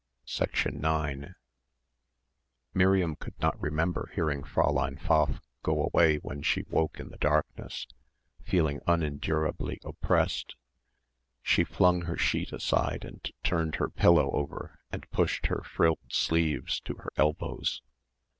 9 Miriam could not remember hearing Fräulein Pfaff go away when she woke in the darkness feeling unendurably oppressed. She flung her sheet aside and turned her pillow over and pushed her frilled sleeves to her elbows.